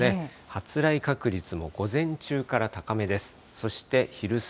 発雷確率も午前中から高めです。